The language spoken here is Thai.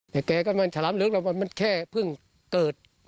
เด็กแก่ก็มันถลับเลิกแล้วมันแค่เพิ่งเกิด